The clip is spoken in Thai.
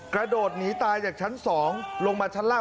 กระโดดหนีตายจากชั้น๒ลงมาชั้นล่าง